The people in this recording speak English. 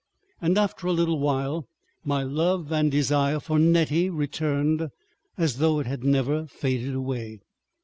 ... And after a little while my love and desire for Nettie returned as though it had never faded away.